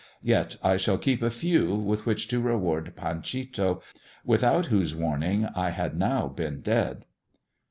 Yet I shall keep a few, with which to reward Panchito, without whose warning I had now been dead."